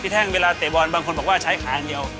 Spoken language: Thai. แท่งเวลาเตะบอลบางคนบอกว่าใช้ขาอย่างเดียว